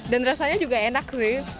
dan rasanya juga enak sih